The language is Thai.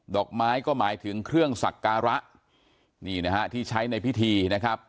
อกไม้ก็หมายถึงเครื่องสักการะนี่นะฮะที่ใช้ในพิธีนะครับ